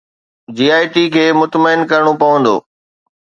جي I T کي مطمئن ڪرڻو پوندو.